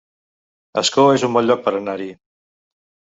Ascó es un bon lloc per anar-hi